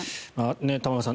玉川さん